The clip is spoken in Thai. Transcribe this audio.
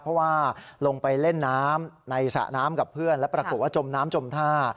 เพราะว่าลงไปเล่นน้ำในสระน้ำกับเพื่อนแล้วปรากฏว่าจมน้ำจมท่า